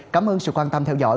cảm ơn sự quan tâm theo dõi